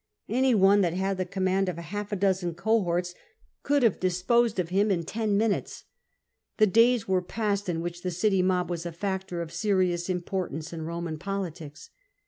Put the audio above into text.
Any one that had the command of half a dozen cohorts could have disposed of him in ten minutes : the days were past in which the city mob was a factor of serious importance in Roman politics.